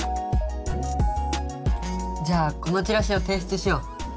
じゃあこのチラシを提出しよう。